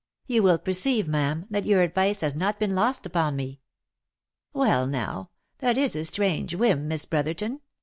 You will perceive, ma'am, that your advice has not been lost upon me." " Well now ! that is a strange whim, Miss Brotherton.